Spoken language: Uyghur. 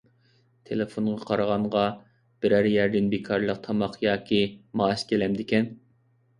تېلېفونغا قارىغانغا بىرەر يەردىن بىكارلىق تاماق ياكى مائاش كېلەمدىكەن؟